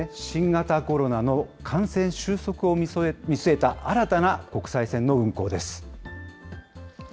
新型コロナの感染収束を見据えた、新たな国際線の運航です。